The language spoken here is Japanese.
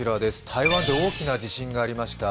台湾で大きな地震がありました。